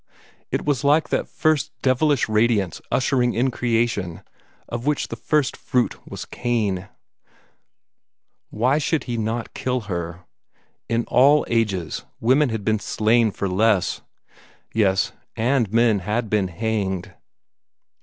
It was like that first devilish radiance ushering in Creation, of which the first fruit was Cain. Why should he not kill her? In all ages, women had been slain for less. Yes and men had been hanged.